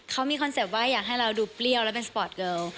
เขามีคอนเซ็ปต์ว่าอยากให้เราดูเปรี้ยวและเป็นสปอร์ตเกิล